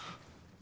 あ！